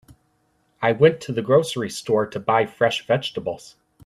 I went to the grocery store to buy fresh vegetables.